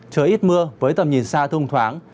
trời ít mưa với tầm nhìn xa thông thoáng